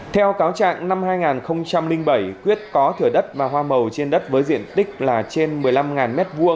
theo cáo trạng năm hai nghìn bảy quyết có thửa đất và hoa màu trên đất với diện tích là trên một mươi năm m hai